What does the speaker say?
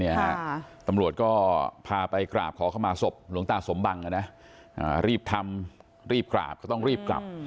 ตำรวจก็พาไปกราบขอเข้ามาศพหลวงตาสมบังนะรีบทำรีบกราบก็ต้องรีบกลับ